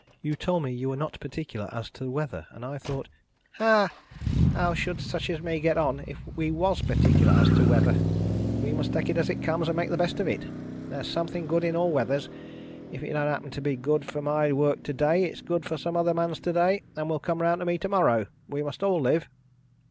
"You told me you were not particular as to weather, and I thought " "Ha, ha! How should such as me get on, if we was particular as to weather? We must take it as it comes, and make the best of it. There's something good in all weathers. If it don't happen to be good for my work to day, it's good for some other man's to day, and will come round to me to morrow. We must all live."